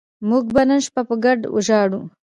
موږ به نن شپه په ګډه ژاړو